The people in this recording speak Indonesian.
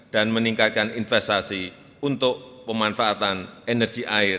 dan meningkatkan investasi untuk pemanfaatan energi air